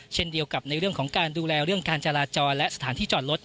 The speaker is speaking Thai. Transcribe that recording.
เช่นเดียวกับในเรื่องของการดูแลเรื่องการจราจรและสถานที่จอดรถ